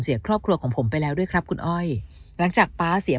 ครอบครัวของผมไปแล้วด้วยครับคุณอ้อยหลังจากป๊าเสีย